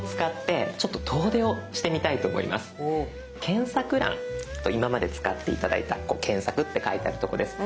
検索欄今まで使って頂いた検索って書いてあるとこです。